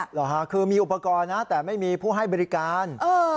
เหรอฮะคือมีอุปกรณ์นะแต่ไม่มีผู้ให้บริการ